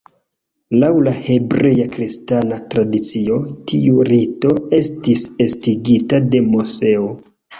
Laŭ la hebrea-kristana tradicio, tiu rito estis estigita de Moseo.